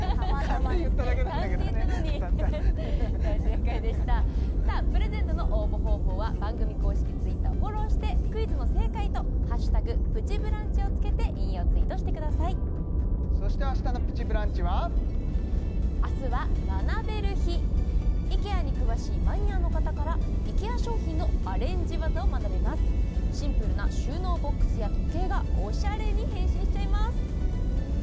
勘で言ったのに大正解でした当たったさあプレゼントの応募方法は番組公式Ｔｗｉｔｔｅｒをフォローしてクイズの正解と「＃プチブランチ」を付けて引用ツイートしてくださいそして明日の「プチブランチ」は？明日は学べる日ＩＫＥＡに詳しいマニアの方からＩＫＥＡ商品のアレンジ技を学びますシンプルな収納ボックスや時計がおしゃれに変身しちゃいます